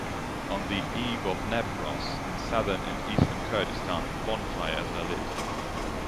On the eve of Newroz, in southern and eastern Kurdistan, bonfires are lit.